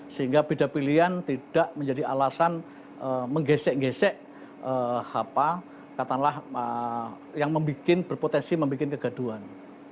sehingga beda pilihan tidak menjadi alasan menggesek ngesek yang berpotensi membuat kegaduan